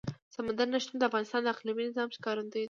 سمندر نه شتون د افغانستان د اقلیمي نظام ښکارندوی ده.